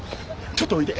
ちょっとおいで。